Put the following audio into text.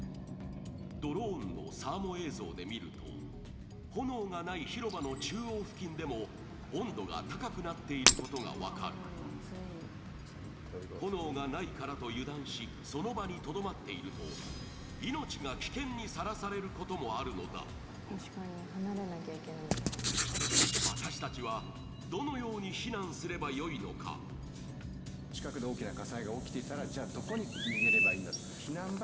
ドローンのサーモ映像で見ると炎がない広場の中央付近でも温度が高くなっていることが分かる炎がないからと油断しその場にとどまっていると命が危険にさらされることもあるのだ私達はよいのか？ということが大事です